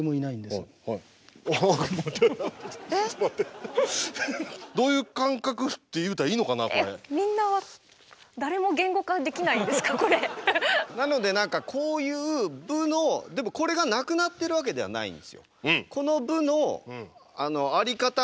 えっみんななので何かこういう武のでもこれがなくなってるわけではないんですよ。